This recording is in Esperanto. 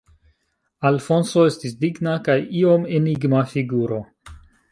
Alfonso estis digna kaj iom enigma figuro.